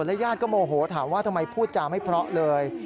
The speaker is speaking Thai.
ญาติก็โมโหถามว่าทำไมพูดจาไม่เพราะเลย